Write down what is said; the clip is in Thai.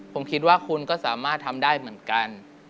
ผมคิดว่าคุณก็สามารถทำได้เหมือนกัน